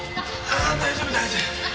ああ大丈夫大丈夫。